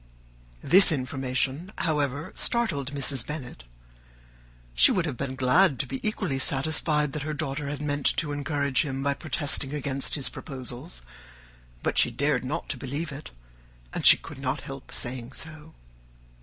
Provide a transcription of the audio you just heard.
This information, however, startled Mrs. Bennet: she would have been glad to be equally satisfied that her daughter had meant to encourage him by protesting against his proposals, but she dared not believe it, and could not help saying so.